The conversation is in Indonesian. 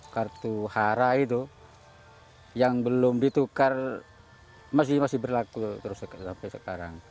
kartu hara itu yang belum ditukar masih berlaku terus sampai sekarang